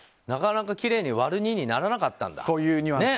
なかなかきれいに割る２にならなかったんだ。